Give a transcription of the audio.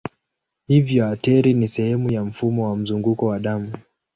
Hivyo ateri ni sehemu ya mfumo wa mzunguko wa damu.